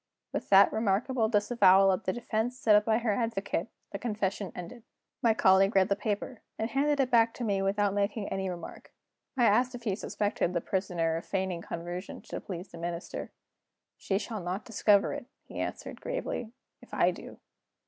With that remarkable disavowal of the defense set up by her advocate, the confession ended. My colleague read the paper, and handed it back to me without making any remark. I asked if he suspected the Prisoner of feigning conversion to please the Minister. "She shall not discover it," he answered, gravely, "if I do."